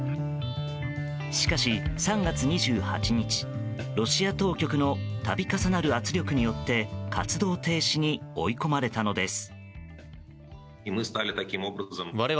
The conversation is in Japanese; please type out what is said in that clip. しかし、３月２８日ロシア当局の度重なる圧力によって活動停止に追い込まれたのです。